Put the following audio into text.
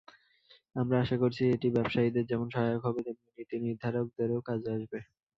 আমরা আশা করছি, এটি ব্যবসায়ীদের যেমন সহায়ক হবে, তেমনি নীতিনির্ধারকদেরও কাজে আসবে।